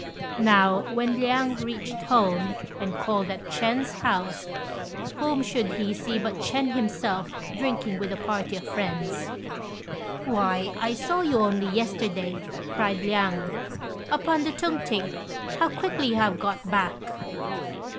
Now, when Liang reached home, and called at Ch'ên's house, whom should he see but Ch'ên himself drinking with a party of friends. "Why, I saw you only yesterday," cried Liang, "upon the Tung t'ing. How quickly you have got back!"